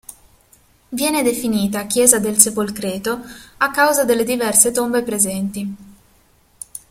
Viene definita chiesa del Sepolcreto a causa delle diverse tombe presenti.